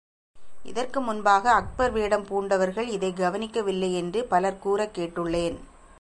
இதற்கு முன்பாக அக்பர் வேடம் பூண்டவர்கள் இதைக் கவனிக்கவில்லை என்று பலர் கூறக் கேட்டுள்ளேன்.